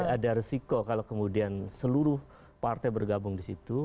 ada resiko kalau kemudian seluruh partai bergabung di situ